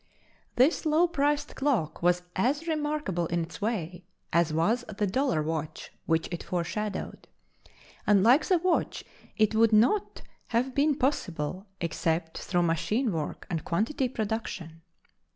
This low priced clock was as remarkable in its way as was the dollar watch, which it foreshadowed. And like the watch, it would not have been possible except through machine work and quantity production.